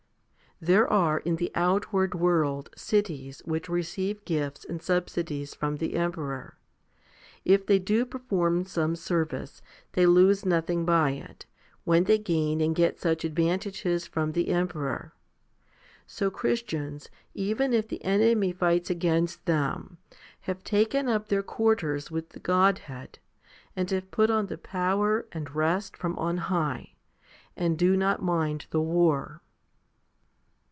There are in the outward world cities which receive gifts and subsidies from the emperor. If they do perform some service, they lose nothing by it, when they gain and get such advantages from the emperor. So Christians, even if the enemy fights against them, have taken up their quarters with the Godhead, and have put on the power and rest from on high, and do not mind the war.